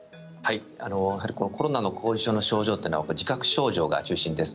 やはりコロナの後遺症の症状というのは自覚症状が中心です。